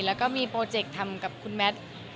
แล้วก็มีโปรเจกต์ทำกับคุณแมท